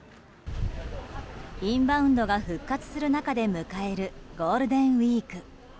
インバウンドが復活する中で迎えるゴールデンウィーク。